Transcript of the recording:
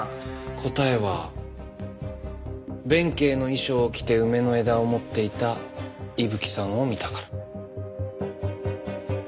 答えは弁慶の衣装を着て梅の枝を持っていた伊吹さんを見たから。